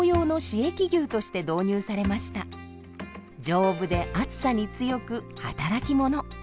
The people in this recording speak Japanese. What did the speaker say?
丈夫で暑さに強く働き者。